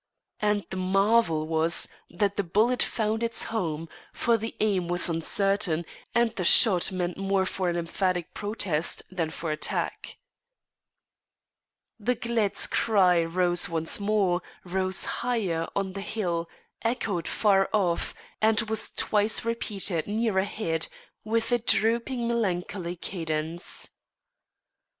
And the marvel was that the bullet found its home, for the aim was uncertain, and the shot meant more for an emphatic protest than for attack. The gled's cry rose once more, rose higher on the hill, echoed far off, and was twice repeated nearer head with a drooping melancholy cadence.